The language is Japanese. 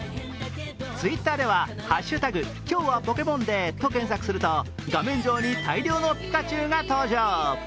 Ｔｗｉｔｔｅｒでは「＃今日はポケモンデー」と検索すると、画面上に大量のピカチュウが登場。